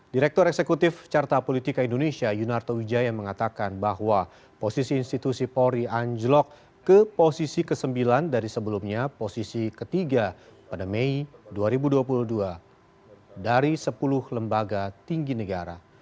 direktur eksekutif carta politika indonesia yunarto wijaya mengatakan bahwa posisi institusi polri anjlok ke posisi ke sembilan dari sebelumnya posisi ketiga pada mei dua ribu dua puluh dua dari sepuluh lembaga tinggi negara